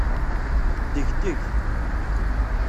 Ddegdeg.